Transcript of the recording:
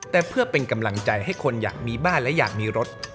แต่เพื่อเป็นกำลังใจให้คนอยากมีบ้านและอยากมีรถ